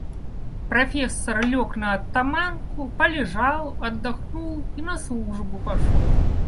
Профессор лег на оттоманку, полежал, отдохнул и на службу пошел.